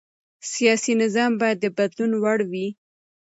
سیاسي نظام باید د بدلون وړ وي